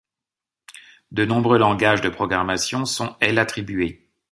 De nombreux langages de programmation sont L-attribués.